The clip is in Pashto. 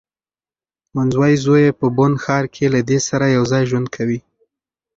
منځوی زوی یې په بن ښار کې له دې سره یوځای ژوند کوي.